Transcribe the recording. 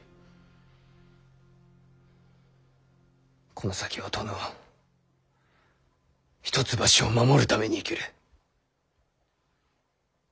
この先は殿を一橋を守るために生きる。